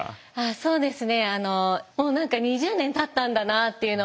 そうですね。